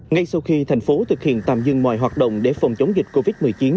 ngay sau khi tp thực hiện tạm dừng mọi hoạt động để phòng chống dịch covid một mươi chín